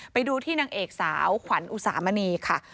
ไปดูที่นางเอกสาวขวัญอุสามณีค่ะ